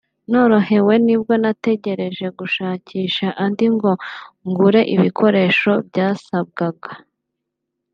norohewe nibwo natekereje gushakisha andi ngo ngure ibikoresho byasabwaga